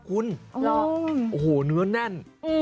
คุณโอ้โหเนื้อแน่น